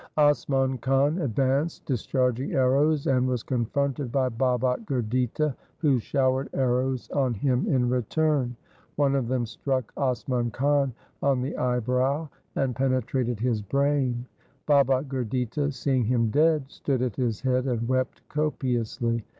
1 Asman Khan advanced, discharging arrows, and was confronted by Baba Gurditta, who showered 1 Gur Das, X. SIKH. IV P 2io THE SIKH RELIGION arrows on him in return. One of them struck Asman Khan on the eyebrow and penetrated his brain. Baba Gurditta, seeing him dead, stood at his head and wept copiously.